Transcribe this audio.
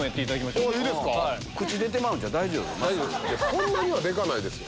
そんなにはでかないですよ。